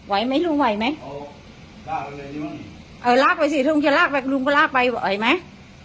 ไหมลุงไหวไหมเออลากไปสิลุงจะลากไปลุงก็ลากไปไหวไหม